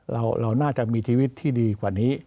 เราน่าจะมีชีวิตที่ดีกว่านี้